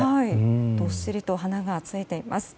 どっしりと花がついています。